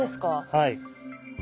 はい。